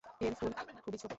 এর ফুল খুবই ছোট।